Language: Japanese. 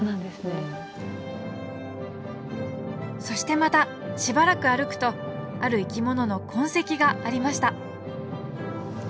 そしてまたしばらく歩くとある生き物の痕跡がありました